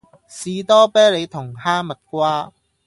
士多啤梨同哈蜜瓜